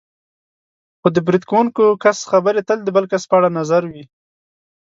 خو د برید کوونکي کس خبرې تل د بل کس په اړه نظر وي.